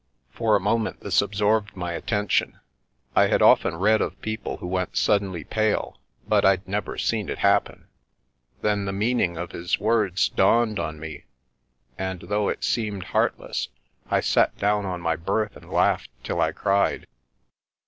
For a moment this absorbed my attention — I had often read of people who went suddenly pale, but I'd never seen it happen. Then the meaning of his words dawned on me, and though it seemed heartless, I sat down on my berth and laughed till I cried.